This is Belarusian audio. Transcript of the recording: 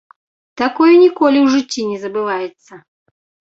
Такое ніколі ў жыцці не забываецца!